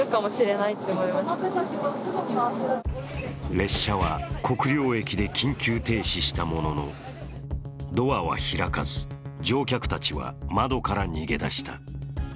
列車は国領駅で緊急停止したもののドアは開かず、乗客たちは窓から逃げ出した。